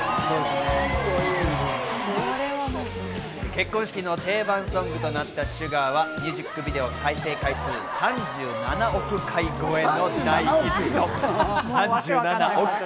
結婚式の定番ソングとなった『Ｓｕｇａｒ』はミュージックビデオ再生回数３７億回超え。